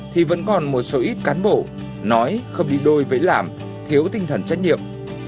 thì vẫn còn một số ít cán bộ nói không đi đôi với làm thiếu tinh thần trách nhiệm